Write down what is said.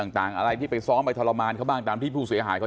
ต่างอะไรที่ไปซ้อมไปทรมานเขาบ้างตามที่ผู้เสียหายเขา